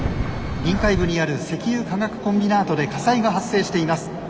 臨海部にある石油化学コンビナートで火災が発生しています。